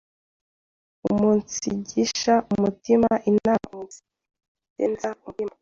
umunsigisha umutima inama, umunsigenza umutima,